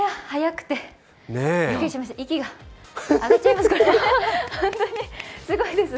息が上がっちゃいますね。